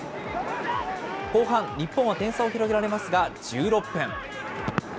後半、日本は点差を広げられますが、１６分。